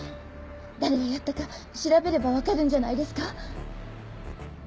誰がやったか調べればわかるんじゃないですか？